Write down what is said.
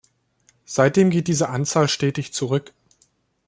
Seitdem geht diese Anzahl stetig zurück.